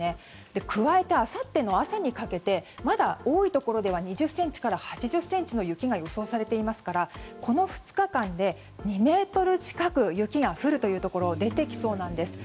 加えて、あさっての朝にかけてまだ、多いところでは２０ｃｍから８０ｃｍの雪が予想されていますからこの２日間で２ｍ近く雪が降るというところが出てきそうなんです。